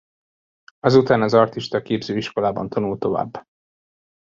Azután az artista képző iskolában tanult tovább.